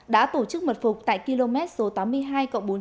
đã tổ chức mật phục tại km số tám mươi hai cộng bốn trăm linh